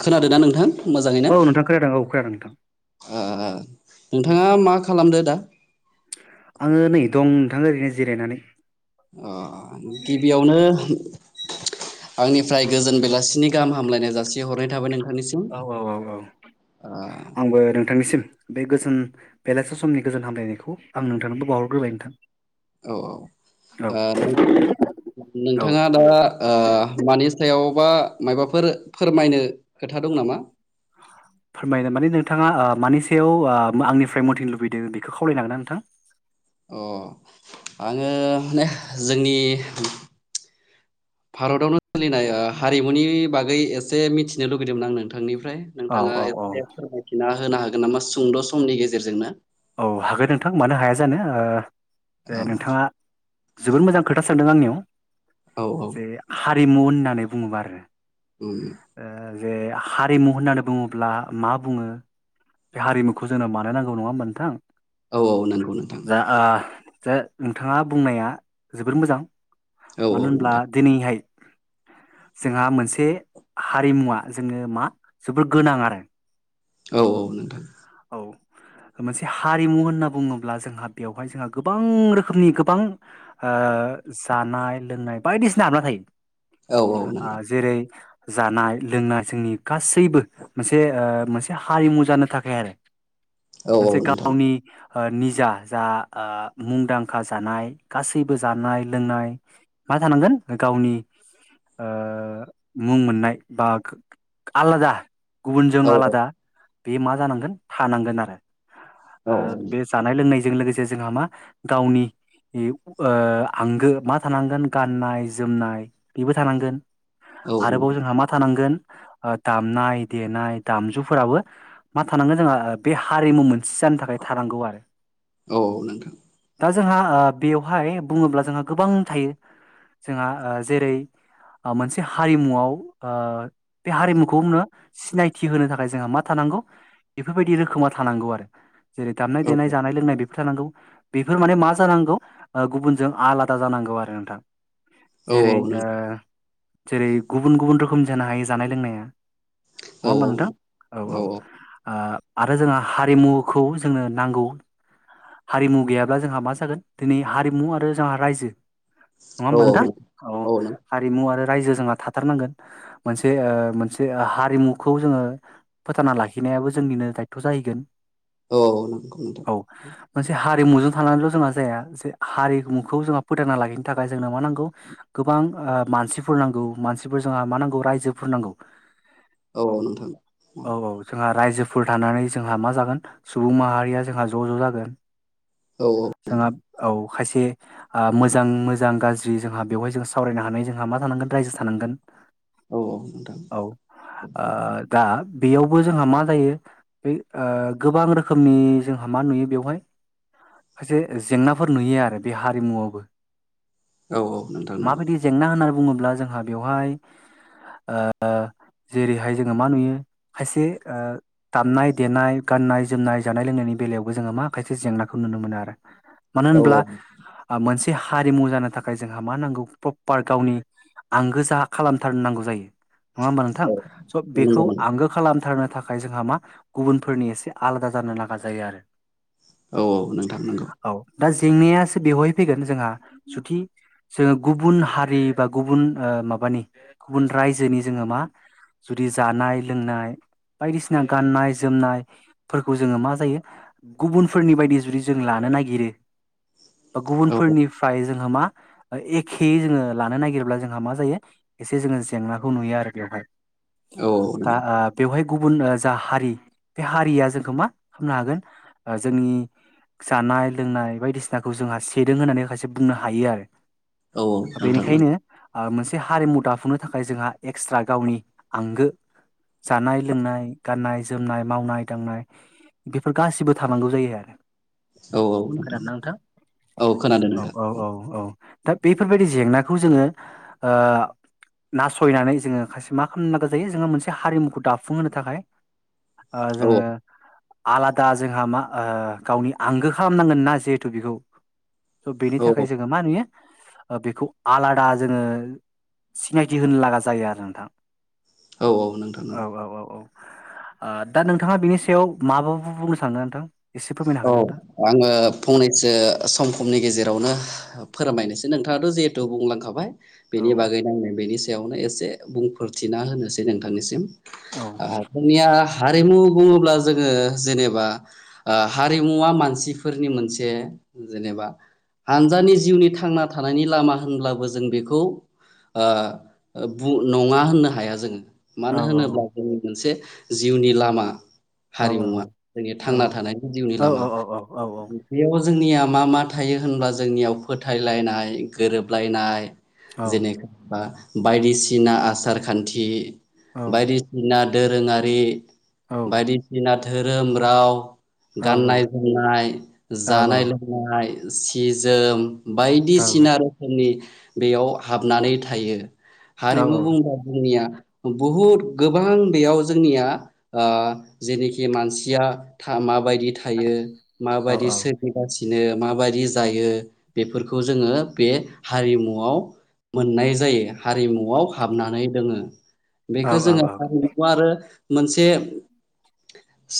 खोनादों ना नोंथां? मोजाङै नो औ नोंथां खोनादों औ खोनादों नोंथां ओ नोंथाङा मा खालामदो दा? आङो नै दं, नोंथां ओरैनो जिरायनानै। अ गिबियावनो आंनिफ्राय गोजोन बेलासिनि गाहाम हामलायनाय जासि हरनाय थाबाय [unintelligible] औ औ औ औ ओ आंबो नोंथांनिसिम। बे गोजोन बेलासे समनि गोजोन हामलायनायखौ आं नोंथांनोबो बावहरग्रोबाय नोंथां। औ औ। औ ओ औ नोंथाङा दा ओ मानि सायाव बा मायबाफोर फोरमायनो खोथा दं नामा [inaudible] फोरमायनो माने नोंथाङा ओ मानि सायाव ओ आंनिफ्राय मथिनो लुबैदों बेखौ खावलायनो हागोन ना नोंथां अ आङो नेह जोंनि भारतावनो खुलिनाय ओ हारिमुनि बागै एसे मिथिनो लुगैदोंमोन आं नोंथांनि फ्राय औ नोंथाङा औ एसे औ फोरमायथिना होनो हागोन नामा सुंद' समनि गेजेरजोंनो औ हागोन नोंथां मानो हाया जानो ओ औ नोंथाङा जोबोद मोजां खोथा सानदों आंनियाव औ औ जे हा रिमु होननानै बुङोब्ला आरो उम ओ जे हारिमु होननानै बुङोब्ला मा बुङो बे हारिमुखौ जोंनो मानो नांगौ नङा होनबा नोंथां औ-औ नंगौ नोंथां जा ओ जा नोंथाङा बुंनाया जोबोर मोजां औ औ मानो होनब्ला नोंथां दिनैहाय जोंहा मोनसे हारिमुवा जोङो मा जोबोर गोनां आरो औ-औ नोंथां मोनसे हारिमु होनना बुङोब्ला जोंहा बेवहाय जोंहा गोबां रोखोमनि गोबां ओ जानाय लोंनाय बायदिसिना हाबना थायो औ औ आ नोंथां जेरै जानाय लोंनाय जोंनि गासैबो मोनसे ओ मोनसे हारिमु जानो थाखाय आरो औ औ मोनसे नोंथां गावनि ओ निजा जा ओ मुंदांखा जानाय गासैबो जानाय लोंनाय मा थानांगोन गावनि ओ मुं मोननाय बा आलादा गुबुनजों औ आलादा बे मा जानांगोन थानांगोन आरो औ ओ बे जानाय लोंनायजों लोगोसे जोंहा मा गावनि हिब ओ आंगो मा थानांगोन गाननाय-जोमनाय बिबो थानांगोन औ आरोबाव जोंहा मा थानांगोन ओ दामनाय-देनाय दामजुफोराबो मा थानांगोन जोंहा ओबे हारिमु मोन जानो थाखाय थानांगौ आरो औ नोंथां दा जो जोंहा ओ बेवहाय बुङोब्ला जोंहा गोबां थायो जोंहा ओ जेरै ओमोनसे हारिमुआव ओ बे हारिमुखौनो सिनायथि होनो थाखाय जोंहा मा थाना नांगौ बेफोरबायदि रोखोमा थानांगौ आरो दामनाय औ -देनाय जानाय लोनाय बेफ थानांगौ बेफोर माने मा जानांगौ ओ गुबुनजों आलादा जानांगौ आरो नोंथां औ औ जेरै ओ नों जेरै गुबुन-गुबुन रोखोम जानो हायो जानाय लोंनाया नङा औ होमबा नोंथां औ-औ औ आरो जोंहा हारिमुखौ जोंनो नांगौ हारिमु गैयाब्ला जोंहा मा जागोन दिनै हारिमु आरो जोंहा रायजो नङा औ होमबा नोंथां औ हारिमु आरो रायजो जोंहा थाथारनांगोन मोनसे ओ मोनसे हारिमुखौ जोङो फोथांना लाखिनायाबो ज जोंनिनो दायथ' जाहैगोन औ-औ नंगौ नोंथां औ मोनसे हारिमुजों थानानैल जोंहा जाया जे हारिमुखौ जोंहा फोथांना लाखिनो थाखाय जोंनो मा नांगौ गोबां मानसिफोर नांगौ मानसिफोर जोंहा मा नांगौ रायजोफोर नांगौ औ औ नोंथां औ औ-औ-औ जोंहा रायजो फोरफोर थानानै जोंहा मा जागोन सुबुं माहारिया जोंहा ज' ज' जागोन औ जोङो औ खायसे मोजां मोजां गाज्रि जोंहा बेवहाय जों सावरायनो हानाय जोंहा मा थानांगोन रायजो थानांगोन । औ नोंथां औ ओ दा बेयावबो जोंहा मा जायो बे गोबां रोखोमनि जोंहा मा नुयो बेवहाय खायसे जेंनाफोर नुयो आरो बे हारिमुआवबो औ औ नोंथां नंगौ माबायदि जेंना होननानै बुङोब्ला जोंहा बेवहाय जेरैहाय जोङो मा नुयो खायसे दामनाय देनाय गाननाय जोमनाय जानाय लोंनायनि बेलायावबो जोङो मा खायसे जेंनाखौ नुनो मोनो आरो । मानो औ होनब्ला मोनसे बे हारिमु जानो थाखाय जोंहा मा नांगौ प्रपार गावनि आंगो जा खालामथारनांगौ जायो । नङा होमबा नोंथां स' औ बेखौ नंगौ आंगो खालामथारनो थाखाय जोंहा मा गुबुनफोरनि एसे आलादा जानो नाङा जायो आरो । औ औ नों थांनोंगौ । दा जेंनायासो बेवहाय फैगोन जोंहा जुथि जोङो गुबुन हारि बा गुबुन माबानि गुबुन रायजोनि जोङो मा जुदि जानाय लोंनाय बायदिसिना गाननाय जोमनायफोरखौ जोङो मा जायो गुबुनफोरनि बायदि जुदि जों लानो नागिरो ओ औ गुबुनफोरनिफ्राय जों मा एखे जोङो लानो नागिर्ला जोंहा मा जायो एसे जोङो जेंनाखौ नुयो आरो बेवहाय औ दा नोंथां बेवहाय गुबुन जा हारि बे हारिया जोंखौ मा खालामनो हागोन जोंनि जानाय लोंनाय बायदिसिनाखौ जोंहा सेदों होननानै माखासे बुंनो हायो आरो । औ औ नोंथां नगौ । मोनसे हारिमु दाफुंनो थाखाय जोंहा एक्सट्रा गावनि आंगो जानाय लोंनाय गाननाय जोमनाय मावनाय दांनाय बेफोर गासिबो थानांगौ जायो आरो औ औ खोनादों न नोंथां औ खोनादों औ नोंथां औ औ औ दा बेफोरबायदि जेंनाखौ जोङो नासयनानै जोङो खायसे मा खालामनो नांगौ जायो जोङो मोनसे हारिमुखौ दाफुंहोनो थाखाय औ जोङो आलादा जोंहा मा गावनि आंगो खालामनांगोन ना जिहेथु बेखौ स' बेनि औ थाखाय जोङो मा नुयो बेखौ आलादा जोङो सिनायथि होनो लागा जायो आरो नोंथां औ औ नोंथां औ । औ औ औ ओ दा नोंथाङा बिनि सायाव माबो बुंनो सानो नोंथां? एसे फोरमायनो औ हागोन ना नोंथां आङो औ फंनैसो सम समनि गेजेरावनो फोरमायनोसै नोंथाङाथ' जिहेथु बुंलांखाबाय औ बेनि बागै नां बेनि नो एसे बुंफोरथिना होनोसै नोंथांनिसिम औ जोंनिया ह हारिमु बुङोब्ला जोङो जेनेबा हारिमुवा मानसिफोरनि मोनसे जेनेबा हानजानि जिउनि थांना थानायनि लामा होनब्लाबो जों बेखौ नङा होननो हाया जोङो औ मानो होनोब्ला जोंनि मोनसे जिउनि लामा औ हारिमुवा जोंनि थांना थानाय जिउनि लामा औ जोंनिया मा मा थायो होनब्ला जोंनियाव फोथायलायनाय गोरोबलायनाय औ जेनेखबा बायदिसिना आसार खान्थि औ बायदिसिना दोरोङारि औ बायदिसिना धोरोम राव औ गाननाय जोमनाय औ जानाय लोंनाय सि जोम औ बायदिसिना रोखोमनि बेयाव हाबनानै थायो । औ हारिमु बुंबा जोंनिया बहुद गोबां बेयाव जोंनिया जेनिखि मानसिया था मा यदि थायो औ माबायदि सगासि बिनो माबायदि जायो बेफोरखौ जोङो बे हारिमुआव मोननाय जायो हारिमुआव हाबनानै दोङो। बेखौ जोङो हारिमु आरो मोनसे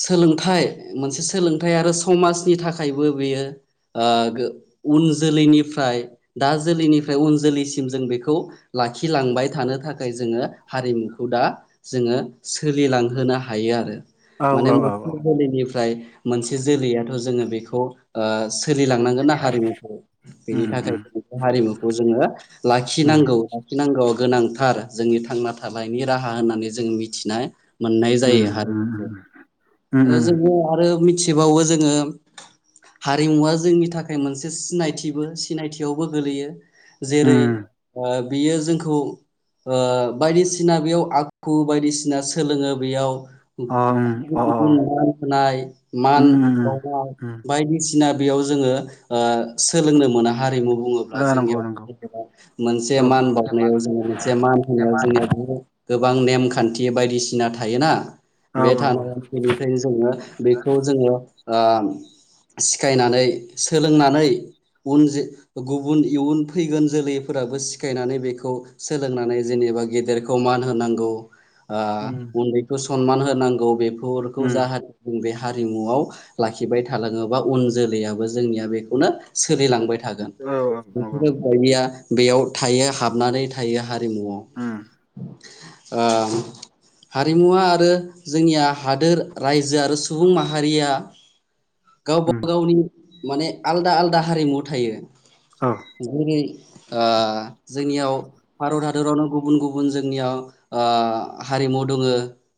सोलोंथाइ मोनसे सोलोंथाइ आरो समाजनि थाखायबो बेयो ओ गो उन जोलैनिफ्राय दा जोलैनिफ्राय उन जोलैसिम जों बेखौ लाखिलांबाय थानो थाखाय जोङो हारिमुखौ दा जोङो सोलिलांहोनो हायो आरो औ माने औ मोनसे औ जोलैनिफ्राय मोनसे जोलैयाथ जोङो बेखौ ओ सोलिलांनांगोन ना हारिमुखौ बेनि उम थाखाय उम जों बे हारिमुखौ जोङो उम लाखिनांगौ लाखिनांगौआ गोनांथार जोंनि थांना थानायनि राहा होननानै जों मिथिनाय मोननाय उम जायो हारिखौ उम आरो उम जोङो आरो मिथिबावो जोङो हारिमुवा जोंनि थाखाय मोनसे सिनायथिबो सिनायथियावबो गोलैयो जेरै उम ओ बियो जोंखौ ओ बायदिसिना बेयाव आखु बायदिसिना सोलोङो बेयाव अ उम गुबन अ अ गुबुन मान होनाय मान उम उम उम बनाय उम बायदिसिना ओमफाय बेयाव जोङो ओ सोलोंनो मोना हारिमु ओ बुङोब्ला नंगौ जोंनियाव नंगौ जबा मोनसे औ मान बावनायाव जों मोनसे मान होनायाव जोंनियाव बहुथ गोबां नेमखान्थि बायदिसिना थायोना औ बे औ थानाय बेनिफ्रायनो जोङो बेखौ जोङो ओ सिखायनानै सोलोंनानै उन जो गुबुन इयुन फैगोन जोलैफोराबो सिखायनानै बेखौ सोलोंनानै जे एबा गेदेरखौ मान होनांगौ ओ उम उन्दैखौ सनमान होनांगौ बेफोरखौ उम जाहा बे हारिमुआव लाखिबाय थलाङोबा उन जोलैयबो जोंनिया बेखौनो सोलिलांबाय थागोन औ औ नंगौ नंगौ बायदिया बेयाव थायो हाबनानै थायो हारिमुव। उम ओ हारिमुवा आरो जोंनिया हादोर राय जो आरो सुबुं माहारिया गावबा उम गावनि माने आलदा आलादा हारिमु थायो औ जेरै ओ जोंनियाव भारत हादरावनो गुबुन गुबुन जोंनियाव ओ हारिमु दङ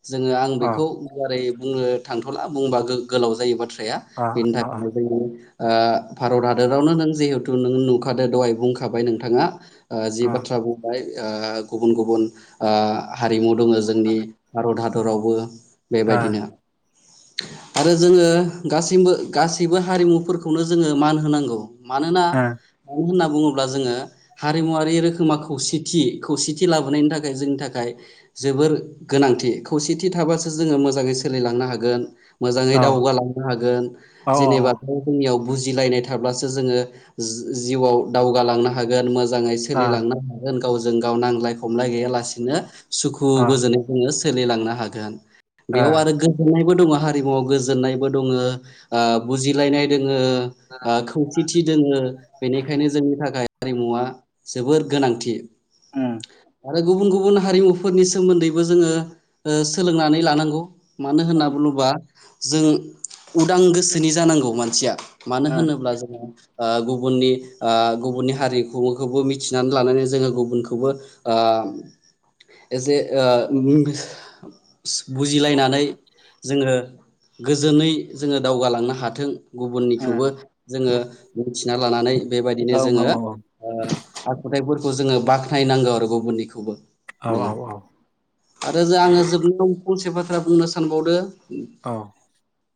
जोङो आं अ बेखौ गुवारै बुंनो थांथ'ला बुंबा गोलाव जायो बाथ्राया बेनि अ थाखायनो जोंनि ओ भारत हादरावनो नों जिहेतु नों नुखादो दहाय बुंखाबाय नोंथाङा ओ जि अ बाथ्रा बुंबाय ओ गुबुन गुबुन ओ हारिमु दङो जोंनि भारत हादरावबो अ बेबायदिनो आरो जोङो गासैबो गासैबो हारिमुफोरखौनो जोङो मान होनांगौ मानोना अ मान बुङोब्ला जोङो हारिमुवारि रोखोमा खौसेथि खौसेथि लाबोनायनि थाखाय जोंनि थाखाय जोबोर गोनांथि खौसेथि थाबासो जोङो मोजाङै सोलिलांनो हागोन मोजाङै ओ दावगालांनो हागोन ओ औ जेनेबा जोंनियाव बुजिलायनाय थाब्लासो जोङो जिउआव दावगालांनो हागोन मोजाङै औ सोलिलांनो हागोन गावजों गाव नांजलाय खमलाय गैयालासिनो सुखु अ गोजोनै जोङो सोलिलांनो हागोन अ ओ बेयाव आरो बयबो हारिमुआव गोजोननायबो दङो ओ‌ बुजिलायनाय ओ ओ खौसेथि दोंङो बेनिखायनो जोंनि थाखाय हारिमुवा जोबोर गोनांथि। उम आरो गुबुन गुबुन हारिमुफोरनि सोमोन्दैबो जोङो ओ सोलोंनानै लानांगौ। मानो होनना उम बुङोबा जों उदां गोसोनि जानांगौ मानसिया मानो उम होनोब्ला जोङो ओ गुबुननि ओ गुबुननि हारिमुखौबो मिथिनानै लानानै जोङो गुबुनखौबो ओ एसे ओ‌ बुजिलायनानै जोङो गोजोनै जोङो दावगालांनो हाथों। उम गुबुननिखौबो जोङो मिथिना लानानै बेबायदिनो औ जोङो आखुथायाइफोरखौ जोङो बाख्नाय नांगौ आरो गुबुननिखौबो। औ नोंङो आरो जा आङो जोबनायाव फंसे बाथ्रा बुंनो सानबावदो औ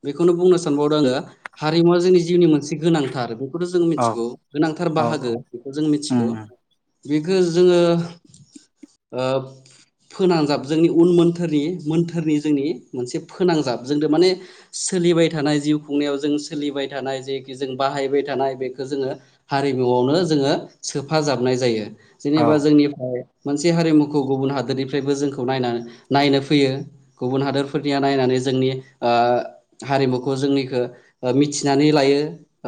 बेखौनो बुंनो सानबावदों आङो हारिमुवा जोंनि जिउनि मोनसे गोनांथार। बेखौथ' जों मिथिगौ गोनांथार औ औ औ बाहागो बेखौ जों मिथिगौ। उम बेखौ जोङो ओ फोनानजाब जोंनि उन मोन्थोरनि मोन्थोरनि जोंनि मोनसे फोनांजाब जोंथ' माने सोलिबाय थानाय जिउ खुंनायाव जों सोलिबाय थानाय जेखि जों बा बाहायबाय थानाय बेखौ जोङो हारिमुआवनो जोङो सोफाजाबनाय जायो। औ जेनेबा जोंनिफ्राय मोनसे हारिमुखौ गुबुन हादोरनिफ्रायबो जोंखौ नायनानै नायनो फैयो गुबुन हादोर फोरनिया नायनानै जोंनि ओ‌ हारिमुखौ जोंनिखौ मिथिनानै लायो।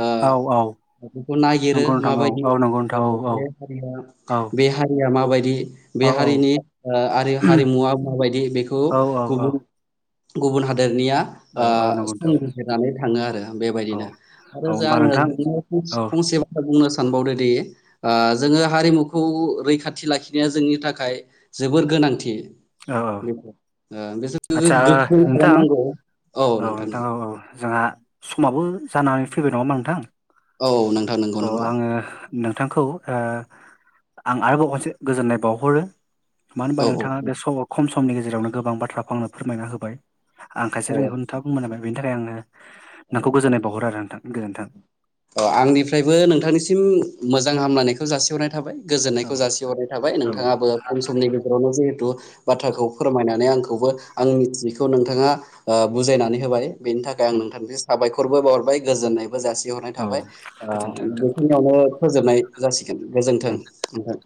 ओ औ औ बेखौ नागिरो नंगौ नोंथां औ माबायदि औ नंगौ नोंथां औ औ बे हारिया औ बे हारिया मा माबायदि बे औ हारिनि ओ हारिमुवा माबायदि बेखौ औ औ औ गुबुन गुबुन हादोर निया ओ औ औ नंगौ नोंथां संबिजिरनानै थाङो आरो औ बेबायदिनो आरो जोहा होमबा नोंथां आङो औ [inaudible] फंसे बाथ्रा बुंनो सानो सानबावदोंदि ओ जोङो हारिमुखौ रैखाथि लाखिनाया जोंनि थाखाय जोबोर गो गोनांथि औ बे ओ बिसोरखौ आदसा ओ गोख्रों नोंथां खालामनांगौ औ नोंथां औ औ जोंहा समाबो जानानै फैबाय नङाहोमबा नोंथां? औ नोंथां नंगौ स' नंगौ। आङो नोंथांखौ ओ आं आरोबाव खनसे गोजोननाय बावहरो। मानो होनबा औ नोंथाङा औ बे सम खम समनि गेजेरावनो गोबां बाथ्राखौ आंनो फोरमायना होबाय। आं खायसे रोङैखौ नोंथाङा बुंनाय जाबाय बेनि थाखाय आङो औ नोंखौ गोजोननाय बावहरो आरो नोंथां गोजोन्थों। अ आंनिफ्रायबो नोंथांनिसिम मोजां हामलायनायखौ जासिहरनाय थाबाय। औ गोजोन्नायखौ जासिहरनाय थाबाय औ नोंथाङाबो खम समनि गेजेरावनो जिहेथु बाथ्राखौ फोरमायनानै आं खौबो आं मिथियैखौ नोंथाङा ओ बुजायनानै होबाय बेनि थाखाय आं औ नोंथांनिसिम साबायखर बो बावहरबाय गोजोननायबो जासिहरनाय औ थाबाय ओ गोजोन्थों नोंथां बिसोरनियावनो फोजोननाय जासि गोजोन्थों नोंथां।